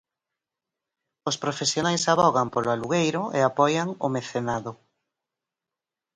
Os profesionais avogan polo alugueiro e apoian o mecenado.